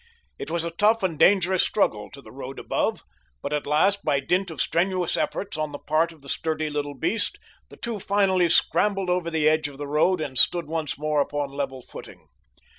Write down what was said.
It was a tough and dangerous struggle to the road above, but at last by dint of strenuous efforts on the part of the sturdy little beast the two finally scrambled over the edge of the road and stood once more upon level footing.